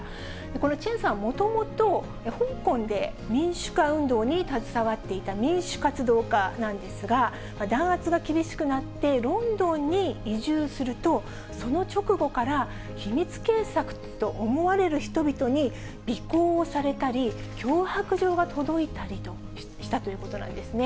このチェンさん、もともと、香港で民主化運動に携わっていた民主活動家なんですが、弾圧が厳しくなってロンドンに移住すると、その直後から、秘密警察と思われる人々に尾行をされたり、脅迫状が届いたりしたということなんですね。